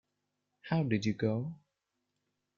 How did you go?